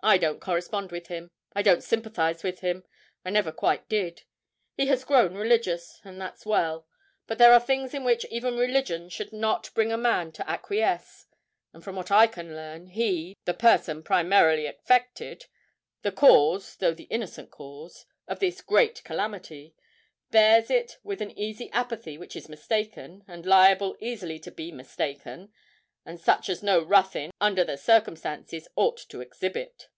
I don't correspond with him; I don't sympathise with him; I never quite did. He has grown religious, and that's well; but there are things in which even religion should not bring a man to acquiesce; and from what I can learn, he, the person primarily affected the cause, though the innocent cause of this great calamity bears it with an easy apathy which is mistaken, and liable easily to be mistaken, and such as no Ruthyn, under the circumstances, ought to exhibit.